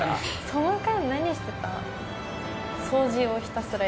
その間何してた？